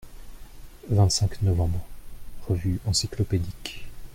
vingt-cinq novembre., Revue Encyclopédique.